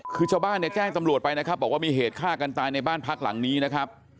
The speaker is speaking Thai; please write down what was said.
คือชาวบ้านเนี่ยแจ้งตำรวจไปนะครับบอกว่ามีเหตุฆ่ากันตายในบ้านพักหลังนี้นะครับ